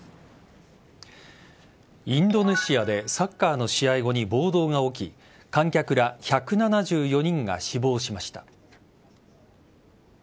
インドネシアでサッカーの試合後に暴動が起き観客ら１７４人が死亡しました。